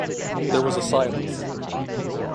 There was a silence.